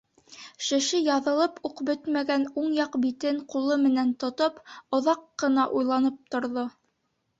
Шеше яҙылып уҡ бөтмәгән уң яҡ битен ҡулы менән тотоп, оҙаҡ ҡына уйланып торҙо.